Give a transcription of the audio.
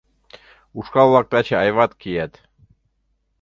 — Ушкал-влак таче айват кият.